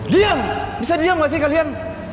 diam bisa diam nggak sih kalian